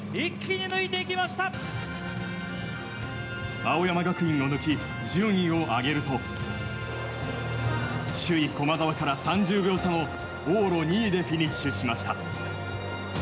青山学院を抜き順位を上げると首位、駒澤から３０秒差の往路２位でフィニッシュしました。